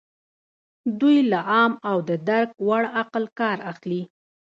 دوی له عام او د درک وړ عقل کار اخلي.